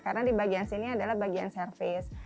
karena di bagian sini adalah bagian servis